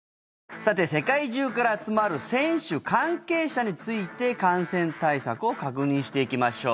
さて、世界中から集まる選手、関係者について感染対策を確認していきましょう。